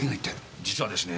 実はですね